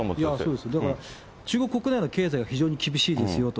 そうです、だから、中国国内の経済が非常に厳しいですよと。